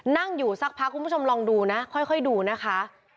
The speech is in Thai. นั่งอยู่สักพักคุณผู้ชมลองดูนะค่อยดูนะคะ